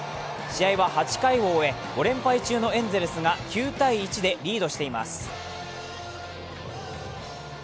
試合は８回を終え、５連敗中のエンゼルスが９−１でリードしています。